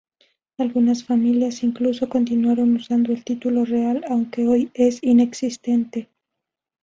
Algunas familias incluso continuaron usando el título real, aunque hoy es inexistente.